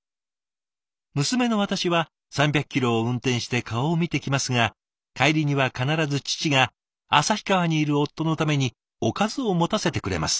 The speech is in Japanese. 娘の私は３００キロを運転して顔を見て来ますが帰りには必ず父が旭川にいる夫の為におかずを持たせてくれます。